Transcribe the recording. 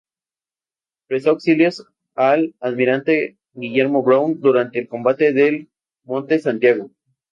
Prestó auxilios al almirante Guillermo Brown durante el Combate de Monte Santiago.